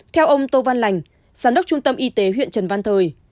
theo ông tô văn lành giám đốc trung tâm y tế huyện trần văn thời